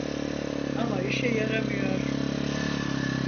Ama işe yaramıyor.